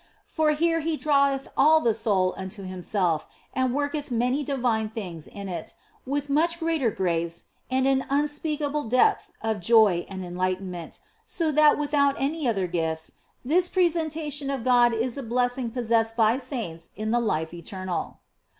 For here He draweth all the soul unto Himself and worketh many divine things in it, with much greater grace and an unspeakable depth of joy and enlightenment ; so that, without any other gifts, this presentation of God is the blessing possessed by saints in the life eternal.